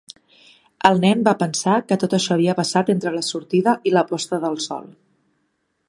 El nen va pensar que tot això havia passat entre la sortida i la posta del sol.